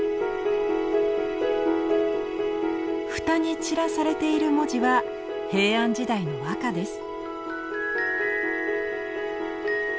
蓋に散らされている文字は平安時代の和歌です。